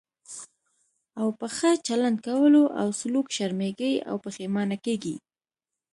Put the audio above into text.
او په ښه چلند کولو او سلوک شرمېږي او پښېمانه کېږي.